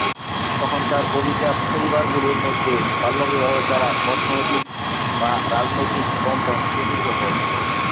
তখনকার অভিজাত পরিবারগুলোর মধ্যে বাল্যবিবাহের দ্বারা অর্থনৈতিক বা রাজনৈতিক বন্ধন সুদৃঢ় হত।